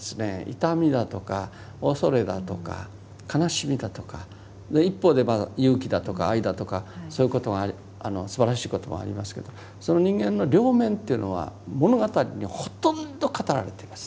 痛みだとか恐れだとか悲しみだとか一方で勇気だとか愛だとかそういうことがすばらしいこともありますけどその人間の両面というのは物語にほとんど語られています。